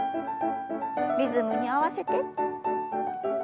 リズムに合わせて。